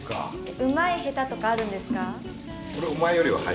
うまい下手とかあるんですか？